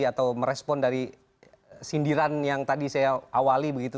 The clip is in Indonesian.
atau merespon dari sindiran yang tadi saya awali begitu